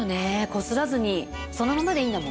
こすらずにそのままでいいんだもんね。